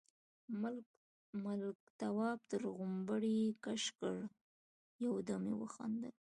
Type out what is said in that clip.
ملک، تواب تر غومبري کش کړ، يو دم يې وخندل: